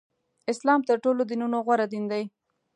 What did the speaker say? اسلام تر ټولو دینونو غوره دین دی.